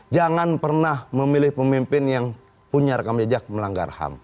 jangan pernah memilih pemimpin yang punya rekam jejak melanggar ham